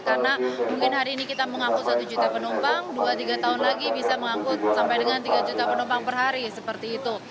karena mungkin hari ini kita mengangkut satu juta penumpang dua tiga tahun lagi bisa mengangkut sampai dengan tiga juta penumpang per hari seperti itu